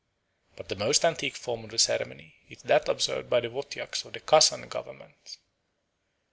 But the most antique form of the ceremony is that observed by the Wotyaks of the Kasan Government.